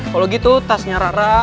kalau gitu tasnya rara